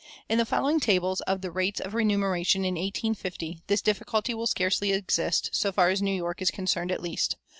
In the following tables of the rates of remuneration in 1850 this difficulty will scarcely exist, so far as New York is concerned at least.